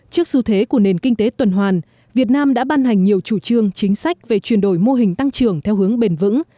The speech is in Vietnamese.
trước xu thế của nền kinh tế tuần hoàn việt nam đã ban hành nhiều chủ trương chính sách về chuyển đổi mô hình tăng trưởng theo hướng bền vững